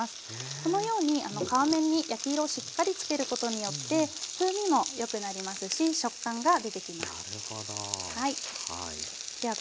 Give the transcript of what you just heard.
このように皮面に焼き色をしっかりつけることによって風味もよくなりますし食感が出てきます。